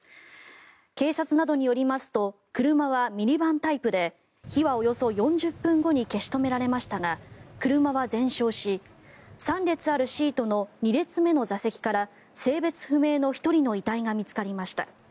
警察などによりますと車はミニバンタイプで火はおよそ４０分後に消し止められましたが車は全焼し３列あるシートの２列目の座席から性別不明の１人の遺体が見つかりました。